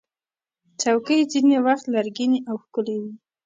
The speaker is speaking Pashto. چوکۍ ځینې وخت لرګینې او ښکلې وي.